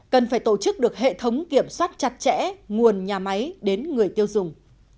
cần phải tổ chức được hệ thống kiểm soát chặt chẽ nguồn nhà máy đến người tiêu dùng